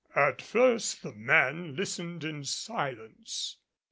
At first the men listened in silence.